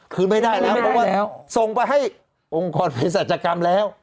คืนไม่ได้แล้วเพราะว่าส่งไปให้องค์กรเพศศาจกรรมแล้ว